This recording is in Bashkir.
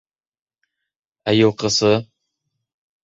— Ә йылҡысы?